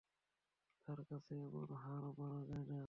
তাঁর কাছে এমন হার, মানা যায় না।